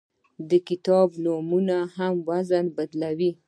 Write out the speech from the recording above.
د کتاب نومونه هم وزن بدلوي.